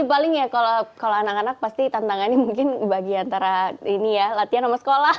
paling ya kalau anak anak pasti tantangannya mungkin bagi antara ini ya latihan sama sekolah